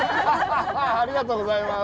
ありがとうございます！